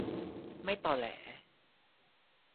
ไม่ตอแหล